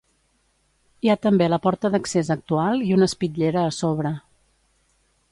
Hi ha també la porta d'accés actual i una espitllera a sobre.